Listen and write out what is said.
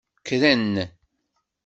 Kkren.